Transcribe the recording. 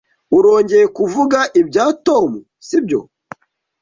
Urongeye kuvuga ibya Tom, sibyo?